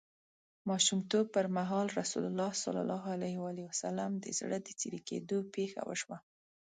ماشومتوب پر مهال رسول الله ﷺ د زړه د څیری کیدو پېښه وشوه.